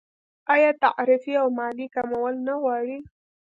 آیا تعرفې او مالیې کمول نه غواړي؟